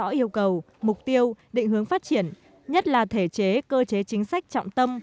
có yêu cầu mục tiêu định hướng phát triển nhất là thể chế cơ chế chính sách trọng tâm